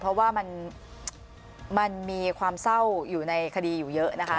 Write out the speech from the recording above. เพราะว่ามันมีความเศร้าอยู่ในคดีอยู่เยอะนะคะ